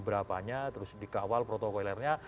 berapanya terus dikawal protokolernya